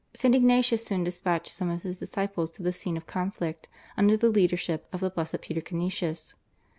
St. Ignatius soon despatched some of his disciples to the scene of conflict under the leadership of the Blessed Peter Canisius.